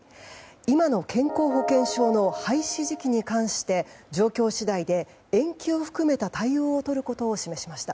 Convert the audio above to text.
今の健康保険証の廃止時期に関して状況次第で、延期を含めた対応をとることを示しました。